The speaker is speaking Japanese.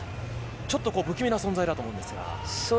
ちょっと不気味な存在だと思うんですが。